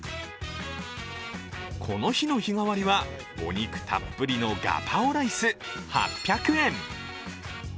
この日の日替わりは、お肉たっぷりのガパオライス８００円